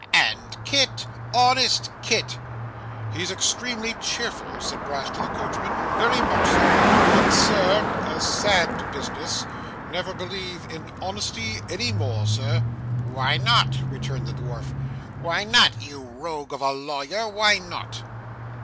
And Kit! Honest Kit!' 'He's extremely cheerful!' said Brass to the coachman. 'Very much so! Ah, sir a sad business! Never believe in honesty any more, sir.' 'Why not?' returned the dwarf. 'Why not, you rogue of a lawyer, why not?